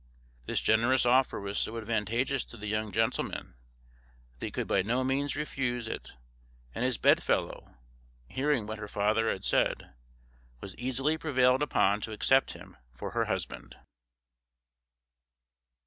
This generous offer was so advantageous to the young gentleman, that he could by no means refuse it; and his bedfellow, hearing what her father had said, was easily prevailed upon to accept him for her husband.